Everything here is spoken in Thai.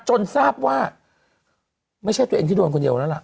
จนทราบว่าไม่ใช่ตัวเองที่โดนคนเดียว